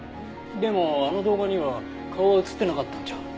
でもあの動画には顔は映ってなかったんじゃ。